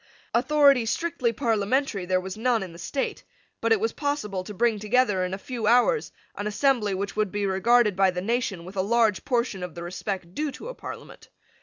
Authority strictly parliamentary there was none in the state: but it was possible to bring together, in a few hours, an assembly which would be regarded by the nation with a large portion of the respect due to a Parliament.